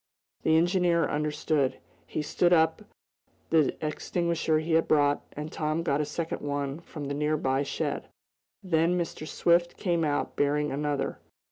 The engineer understood. He took up the extinguisher he had brought, and Tom got a second one from a nearby shed. Then Mr. Swift came out bearing another.